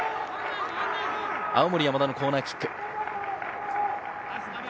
青森山田のコーナーキック。